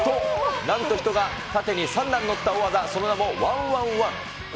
なんと人が縦に３段乗った大技、その名も１・１・１。